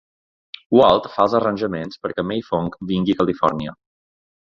Walt fa els arranjaments perquè May Fong vingui a Califòrnia.